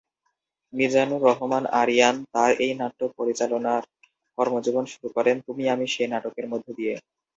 মিজানুর রহমান আরিয়ান তার এই নাট্য পরিচালনার কর্মজীবন শুরু করেন "তুমি আমি সে" নাটকের মধ্য দিয়ে।